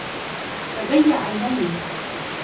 لدي عينين.